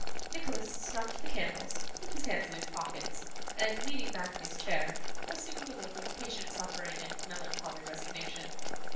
Nicholas snuffed the candles, put his hands in his pockets, and, leaning back in his chair, assumed a look of patient suffering and melancholy resignation.